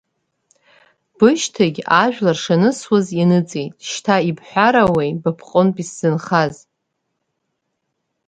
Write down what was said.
Бышьҭагь ажәлар шанысуаз ианыҵит, шьҭа ибҳәаруеи ба бҟынтә исзынхаз.